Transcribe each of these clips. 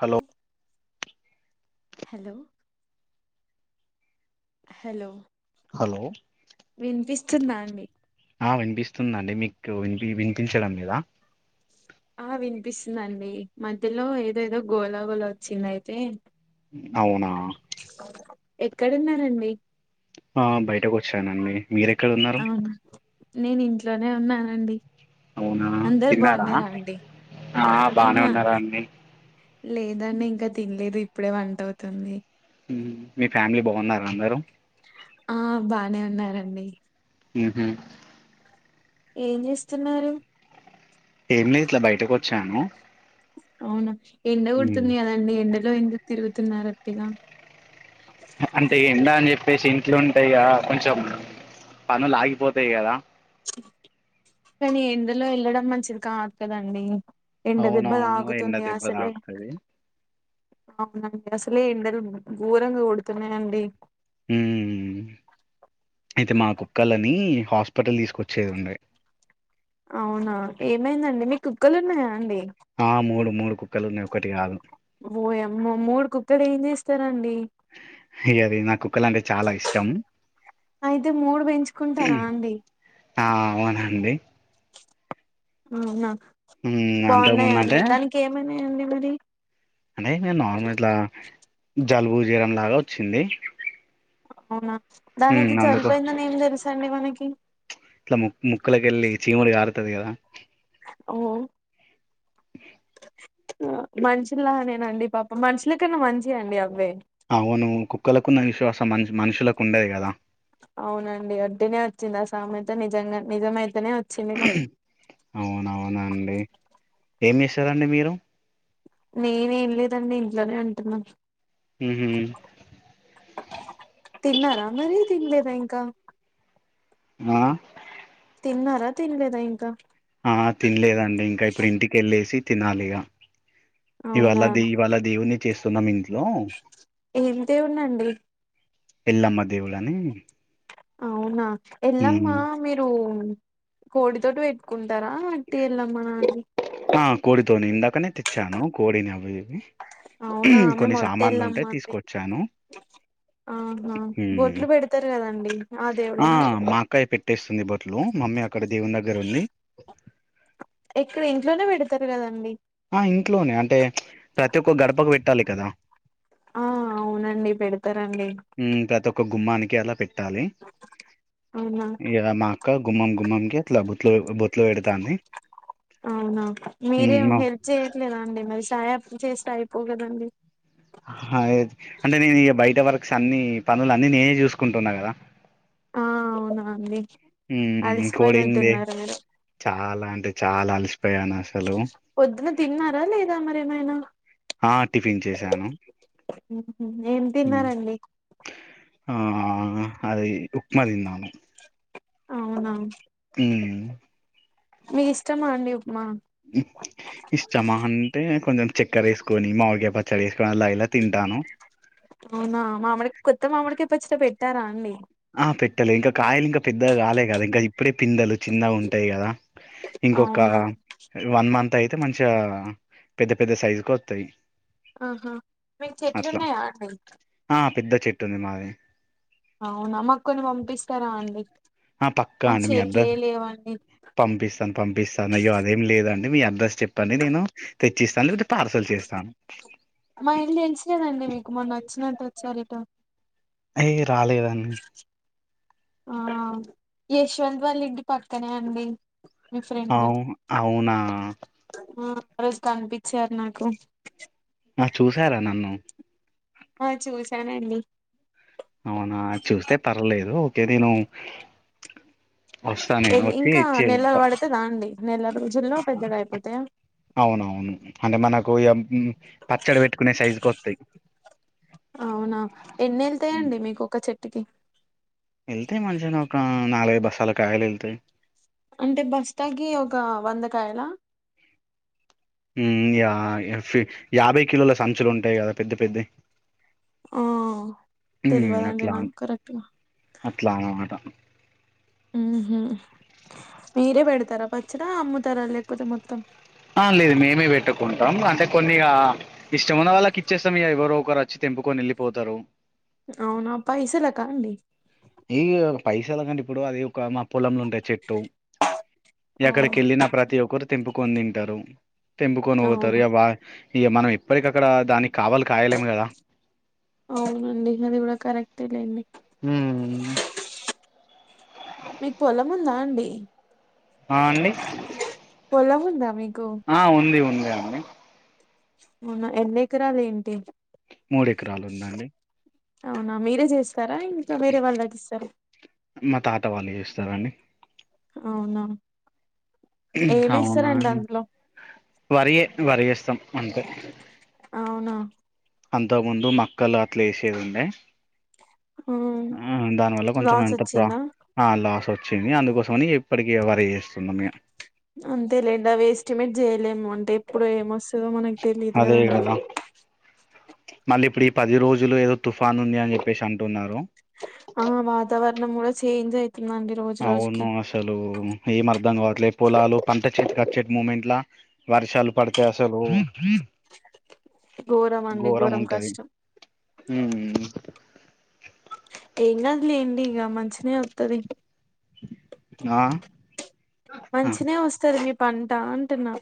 Hello hello hello hello వినిపిస్తుందా అండి ఆ వినిపిస్తుందండి మీకు వినిపి వినిపించడం మీద ఆ వినిపిస్తుందండి మధ్యలో ఏదో ఏదో గోలాగోలా వచ్చిందియితే అవునా ఎక్కడున్ననండి ఆ బయటకు వచ్చానండి మీరెక్కడ ఉన్నారు అవునా నేను ఇంట్లోనే ఉన్నాను అండి అవునా అందరు తిన్నారా బాగున్నారా అండి ఆ బానే ఆహా ఉన్నారా అండి లేదంని ఇంకా తినలేదు ఇప్పుడే వంట అవుతుంది మీ ఫ్యామిలీ బాగున్నారు అందరూ ఆ బానే ఉన్నారండి హహ ఏం చేస్తున్నారు చ్చము అవును ఎండ కుడుతుంది కదండి ఎండలో ఎందుకు తిరుగుతున్న ప్రతిగా అంతే ఏ న చెప్ప ప్పేసి ఇంట్లో ఉంటాయి కదా కొంచెం పనులు ఆగిపోతాయి కదా కానీ ఎందులో వెళ్ళడం మంచిది కావదు కదండి ఎండ దెబ్బ అవునవును ఎండ తాకుతుంది దెబ్బ అసలే తాకుతది అవునండి అసలే ఎండలు గూరంగా కొడుతున్నాయండి మ్మ్. అయితే మా కుక్కలని హాస్పిటల్ తీసుకొచ్చేదిండే అవునా ఏమైందండి మీకు కుక్కలు ఉన్నాయా అండి ఆ మూడు మూడుకు ఓయమ్మో మూడు కుక్కలు ఏం చేస్తరండి ఇగ అదే నాకు అయితే మూడు పెంచుకుంటారా అండి ఆ అవునండి అవునా హ్మ్ అంతకుముందు అంటే ఏముంది మరి అంటే నార్మల్ ఇట్లా జలుబు జ్వరం లాగా వచ్చింది అవునా దానికి మ్మ్ అందుకు చనిపోయిందని ఏం తెలుసండి మనకి ఇట్ల ముక్ ముక్కులోకెళ్లి చీముడు కారతది కదా ఓ మనుషుల్లా నేనండి పాపం మనుషుల కన్నా మంచి అండి అవే అవును కుక్కలకున్న విశ్వాసం మ మనుషులకు ఉండేది కదా అవునండి వట్టిగనే వచ్చిందా ఆ సామెత నిజంగా నిజమైతే ఇనే వచ్చిందిగా అవునవునా అండి ఏమి ఇస్తారండి మీరు నేనేం లేదండి ఇంట్లోనే అంటున్నాను మ్ హ తిన్నారా మరి తినలేదా ఇంకా అ తిన్నారా తినలేదా ఇంకా ఆ తనాలిగా ఇవాళ దే ఇవాళ దేవుని చేస్తున్నామ్ ఏ దే ఉండండి ఎలమ్మ దేవుళని అవునా ఎల్లమ్మా మీరు కోడితోటిటు వేట్టుకుంట తారా అటీ ఎల్లమ్మ నాడి ఆ కోడితోని ఇందాకనే తెచ్చాను కోడిని అవి ఇవి అవునా కొన్ని మేము ఒట్టి సామాన్లు ఎల్లమ్మ ఉంటే అండి తీసుకొచ్చాను ఆహా మ్మ్ బొట్లు పెడతారు కదండి ఆ దేవుడేనా మా అక్కయ్య పెట్టేస్తుంది బొట్లు మమ్మీ అక్కడ దేవునీ దగ్గర్ ఉంది ఉంది కదండి ఆ ఇంట్లోనే అంటే ప్రతి ఒక్క గడపకు పెట్టాలి కదా ఆ అవునండి పెడతారండి మ్మ్ ప్రతి ఒక్క ఒక గుమ్మానికి అలా పె పెట్టాలి అవునా ఇడా మా ఇంకా గుమ్మం గుమ్మనికి బొట్లు బొట్లు పెడతాంది అవునా ఊ మీరేం మా హెల్ప్ చేయట్లేదా అండి మరి సహాయం చేస్తే అయిపో కదండి హ అంటే నేను ఇక బయట వరకు అన్ని పనులు అన్నిీ నేనే చూసుకుంటున్నా కదా అవునాడి ఇంకో ఇంది చాలా అంటే చాలా అసి పొద్దున తిన్నారా లేదా మరి మైనా ఆ టిఫిన్ చేసాను ఏం తిన్నారండి ఆ అదే ఉప్మా తిన్నాం అవునా మ్మ్ మీ ఇష్టం అండి ఉప్మా ఇష్టమా అంటే కొంచెం చక్కర వేసుకొని మాగ బ పచ్చడి ఇలా తింటను మడికి కయీ పచ్చడి పెట్టారా అండి ఆ పెట్టలే ఇంకా కాయలు ఇంకా పెద్దగా కాలే కదా ఇంకా ఇప్పుడే పిందలు చిన్నగా ఉంటాయి కదా ఇంకొక అవునా వన్ మంత్ అయితే మంచిగా పెద్ద పెద్ద సైజు కు వస్తాయి ఆహా మీకు చెట్లున్నాయా అండి చట్ంది మాది అవునా మాక్కని పంపిస్తారా అండి ఆ పక్కా మ అండి మీ చేట్లే అడ్రస్ లేవండి పంపిస్తాను పంపిస్తాను అయ్యో అదేం లేదు డి మీ అడ్రస్ చెప్పండి నేను తెచ్చిస్తాను లేకపోతే పార్సల్ చేస్తాను మా ఇల్లు ఎంచలేదండి మీకు మొన్న నచ్చినట్టు వచ్చారు ఇటో అయ రాలేదాన్ని ఆ యశ్వంత్ వాల్లి ఇంటి పక్కనే అండి మీ ఫ్రెండ్ అవు అవునా ఆ రోజు కనిపించారు నాకు ఆ చూసారా నన్ను ఆ చూసానండి అవునా చూస్తే పర్లేదు ఓకే నేను వస్తా నేను వచ్చి ఇంకా ఇచ్చి నెలలు వెళ్తా పడితే దా అండి నెల రోజుల్లో పెద్దగా అయిపోతాయా అవునవును అంటే మనకు ఇ పచ్చడి పెట్టుకునే సైజు కు వస్తాయి టీ వెళ్తే మంచిషగా ఒక నాలుై బస్సాల కాయలు వెళ్తాయి అంటే బస్తాకి ఒక వందకాయలా యాభై కిలోల సంచులు ఉంటాయి కదా పెద్ద పెద్ద ఆ హ తెల్వదండి అట్లా అ నాకు కరెక్ట్గా అట్లా అన్నమాట ఉహ మీరే పెడతారా పచ్చిరా అమ్ముతారా లేకుపోతే మొత్తం ఆ లేదు మేమే పెట్టుకుంటాం అంటే కొన్నిగా ఇష్టంన్న వాళ్ళకి ఇచ్చేస్తాం ఇక ఎవరో ఒకరు వచ్చి తెంపుకొని వెళ్ళిపోతారు అవునా పైసలా కా అండి ఈ ఒక పైసలాకండి ఇప్పుడు అది ఏం కధ మా పొలలు ఉంటాయి చెట్టు ఎక్కడికి అవును వెళ్ళిన ప్రతి ఒక్కరు తెంపుకొ తింటారు టెంబ కొను పోత అవునా బ మనం ఇప్పటికక్కడ దానికి కావాలి కాయలేము కదా అవునండి అది కూడా కరెక్ట్ లేండి హ్మ్ మీకు పొలం ఉందా అండి ఆ అండి పొలం ఉందా మీకు ఆ ఉంది ఉంది ఆవని అవునా ఎన్ని ఎకరాలు ఏంటి మూడు ఎకరాలు ఉందండి అవునా మీరే చేస్తారా ఇంకా వేరే వాళ్ళు అదిస్తారా మా తాత వాళ్ళు చేస్తారడి అవునా అవునా ఏమేస్తారండి అందులో వరి వరిస్త సం అంతే అవునా అంతకు ముందు మక్కలు అట్లా వేసేదిండే ఆ దానివల్ల కొంచెం లాస్ ఎంత ప్ర వచ్చిందా ఆ లాస్ అవుతుంది వచ్చింది అందుకోసమని ఇప్పటికీ వర చేస్తుంది అంతేలేండి అవి ఎస్టిమేట్ చేయలేము అంటే ఎప్పుడు ఏమొస్తుందో మనకు తెలియదు అదే కదండి కదా మళ్ళీ ఇప్పుడు ఈ పది రోజులు ఏదో తుఫాను ఉంది అని చెప్పేసి అంటున్నారు ఆ వాతావరణం కూడా చేంజ్ అయి అవును అసలు ఏ మర్దంగా వ లే పొలాలు పంట చెట్ కచ్చేట్ మూమెంట్లా వర్షాలు పడతాయి అసలు ఘోరం అండి ఘోరం కష్టం హ ఏనాది లేండి ఇక మంచిన అవుతుంది ఆ ఆ, మంచిన వస్తారు మీ పంటంటాంటన్నా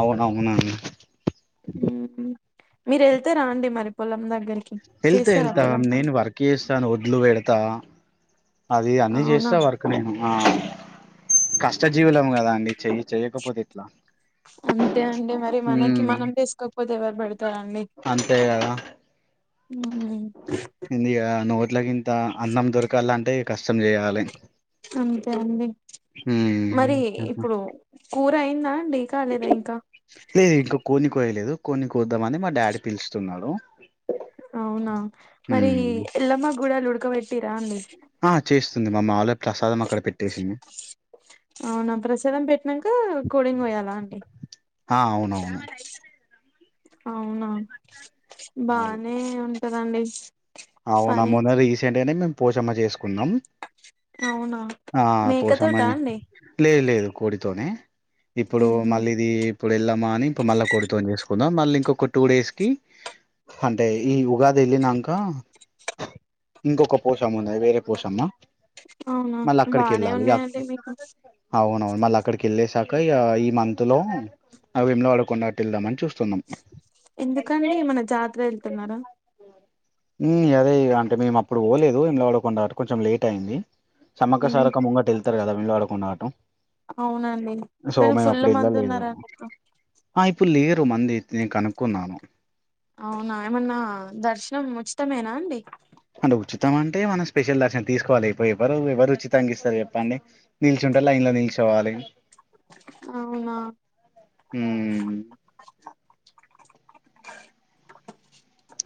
అవునవునా ఏ మీరు వెళ్తే రండి మరి పొలం దగ్గరికి వెళ్తా చేస్తారా వెళ్తా పొలం పని నేను వర్క్ చేస్తాను వద్లు పెడతా అది అన్నీ అవునా చేస్తా వరకు నేను కష్ట జీవులం కదా అండి చెయ్యి చెయ్యకపోతే ఎట్లా అంతే అండి మరి మనకి ఉమ్, మనం తీసుకోకపోతే ఎవరు పెడతారండి ఉమ్, ఇందియా నట్ల త అన్నం దొరకాలలాంటి అంటే కష్టం చేయాలి అంతే అండి ఉమ్, మరి ఇప్పుడు కూరి అయినా ండి కాలేదా ఇంకా యలేదు కొన్ని కోద్దామని మా డాడీ పిలుచస్తున్నాడు అవునా మరి ఉమ్. ఎలమా కూడా లుడకబ పెట్టిరా అండి ఆ చేస్తుంది మామ్మ ఆల అవునా ప్రసాదం పెట్టినాక కోడింగ్ వయాలా అండి ఆ అవునవును అవునా బానే ఉంట చదండి అవు నమ్ మన్న రీసెంట్ ఏనే మ పోచమ చేసుకున్నాం అవునా ఆ మేకతోటా పోషమని అండి లేదు లేదు కోడితోనే ఇప్పుడు ఉహు మళ్ళీ ఇది ఇప్పుడు వెళ్ళామా అని ఇప్పుడు మళ్ళా కొడుతోని చేసుకో కొంటాం మళ్ళీ ఇంకొక టూ డేస్ కి అంటే ఈ ఉగాది వెళ్ళినక ఇంకొక పోషమ్మ ఉన్నాయి వేరే పోసమ్మా అవునా మళ్ళ బానే అక్కడకిల్లా ఉన్నాయండి మీకు అవును అవును మళ్ళ అక్కడకిల్లే సా ఇకా ఇ ఈ మంత్ లో అవిలో ఆడకుండా అటు వెళ్దాం అని చూస్తున్నాం ఎందుకండి మన జాతర వెళ్తున్నారా అదే అంటే మేము అప్పుడు పోలేదు ఇలో వాడ కొ కొంచెం లేట్ అయింది సమక ఉమ్, సారక ముంగటిళ్తు కదా విళ్లువాడ కొండడాటం అవునండి కానీ ఫుల్ మంది ఉన్నారాని ఆరు మంది నే కనుక్కున్నాను అవునా ఏమన్నా దర్శనం ఉచితమేనా అండి అంటే ఉచితం అంటే మనం స్పెషల్ దర్శనం తీసుకోవాలి ఎవరు ఎవరు ఉచితంంగా ఇస్తారు చెప్పండి నిల్చు ఉంటేారు లైన్లో నిల్చువాలి అవునా హ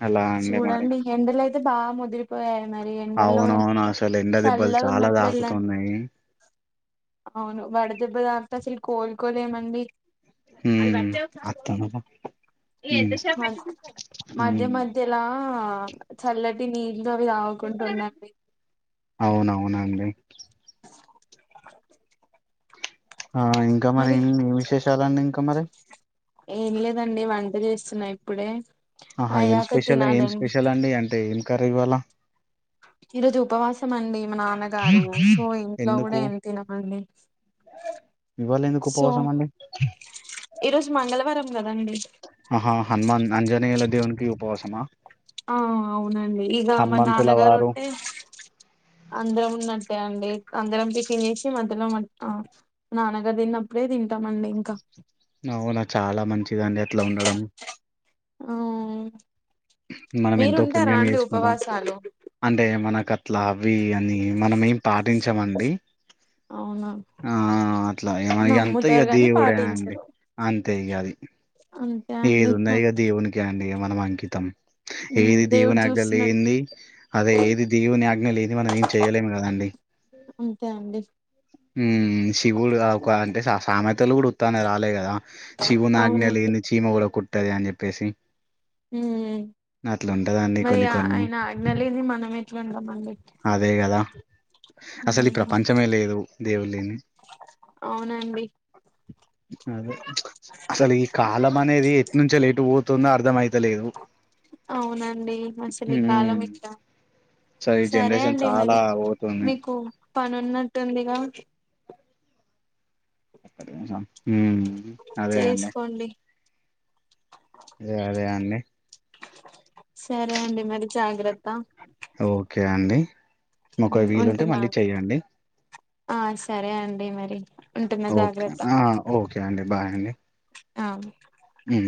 అలా అండి మరి చూడండి ఎండలయితే బా ముదిరిపోయ మరి ఎండల్లో అవునవును అసలు ఎండ చల్ల దెబ్బలు చాలా ఉన్నప్పుడు వెళ్ళండి తాకుతున్నాయి. అవును వడదెబ్బదార్త అసలు కోల్ కొలే మడి హ అతాద మ మధ్య మధ్యలా చల్లటి తిని ఇం అవి తావకుంటూ ఉండండి అవునవునండి ఆ ఇంకా మరి మరిం ఏం విశేషాలన్నీ కా మర ఏం లేదండి వంట చేస్తున్నా ఇప్పుడే ఆహా ఏం అయ్యాక స్పెషల్ ఏం తినాలండి స్పెషల్ అండి అంటే ఏం కరీవాల ఈరోజు ఉపవాసం అండి మా నాన్నగారు సో ఇంట్లో కూడా ఎందుకు ఎం తినమండి ఇవాళ ఎందుకు సో ఉపవాసం అండి ఈరోజు మంగళవారం కదండి ఆహా హనుమాన్ అంజనేలా దేవన్ కి ఉపవాసమా ఆ అవునండి ఇగ మా హనుమంతుల నాన్నగారు వారు ఉంటే అందరం ఉన్నట్టే అండి అందరం టిఫిన్ చేసి మధ్యలో ఆ నాన్నగారు తిన్నప్పుడే తింటామండి ఇంకా అవునా చాలా మంచిదండి అట్లా ఉండడం అవు మనం ఎంతో పుణ్యం చేసుకుంటాం ఉపవాసాలు అంటే మనకు గట్లా అవి అన్ని మనమేం పాటించమండి అవునా ఆ అట్లా ఏమ ఎంతయ నమ్ముతారు గాని దేవుడే అండి పాటించరు అంతే ఇగ అది అంతే అండి ఏదు నైగ దేవున్క అండి మనం అంకితం ఉమ్, ఏది దేవుడు దేవుని ఆజ్ఞ చూస్తున్నాడు లేంది అదే ఏది దేవుని ఆగ్ జ్ఞ లేనిది మనం ఏం చేయలేము కదండి అంతే అండి మ్మ్ శివుడు ఒక అంటే సామెతలు కూడా వత్తనే రాలే కదా శివుని ఆజ్ఞ అవునండి లేని చీమ కూడా కుట్ ట్టదు అని చెప్పేసి ఉ అట్లా ఉంటదండి మరి కొన్ని ఆ కొన్ని ఆయన ఆజ్ఞ లేది మనమే వెం మ అదే కదా అసలు ఈ ప్రపంచమే లేదు దేవు లేని అవునండి అదే అసలు ఈ కాలం అనేది ఎట్ నుంచో లేటు పోతుందో అర్ధం అయితు అవునండి అసలు ఈ ఉమ్ కాలం ఇలా సో ఈ సరే జనరేషన్ అండి చాలా మరి పోతుంది మీకు పనిన్నట్టుందిగా చెక్కడష హ అదే అండి చేసుకోండి అదే అదే అండి సరే అండి మరి జాగ్రత్త ఓకే అండి ఒక వీలుంటే ఉంటున్నా మళ్ళీ అండీ చెయ్యండి ఆ సరే అండి మరి ఉంటున్న జాగ్రత్త బాయి అండి ఆ హ